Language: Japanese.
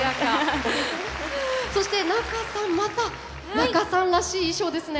そして仲さんまた仲さんらしい衣装ですね。